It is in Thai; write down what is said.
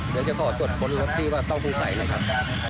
เดี๋ยวจะขอกดบนรถที่ว่าต้องพูดใสนะครับ